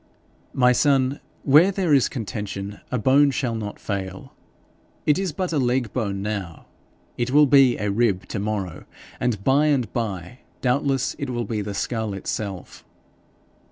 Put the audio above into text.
'My son, where there is contention, a bone shall not fail. It is but a leg bone now; it will be a rib to morrow, and by and by doubtless it will be the skull itself.'